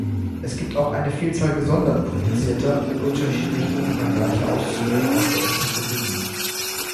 Es gibt auch eine Vielzahl gesondert publizierter und unterschiedlich umfangreicher Auszüge aus der Enzyklopädie.